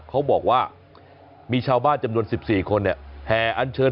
เขาบอกว่ามีชาวบ้านจำนวน๑๔ประสุทธิ์เนี่ย